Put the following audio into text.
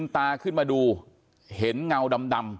ตาขึ้นมาดูเห็นเงาดำ